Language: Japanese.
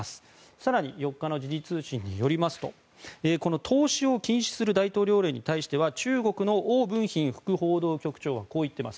更に４日の時事通信によりますとこの投資を禁止する大統領令に対しては中国のオウ・ブンヒン副報道局長はこう言っています。